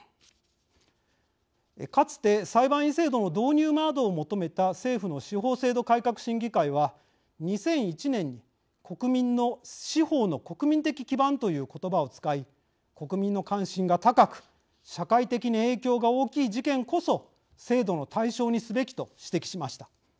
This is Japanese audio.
かつて裁判員制度の導入などを求めた政府の司法制度改革審議会は２００１年に国民の司法の国民的基盤という言葉を使いｄ国民の関心が高く社会的に影響が大きい事件こそ制度の対象にすべきと指摘しました。